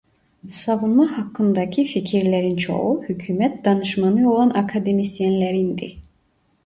Savunma hakkındaki fikirlerin çoğu hükûmet danışmanı olan akademisyenlerindi.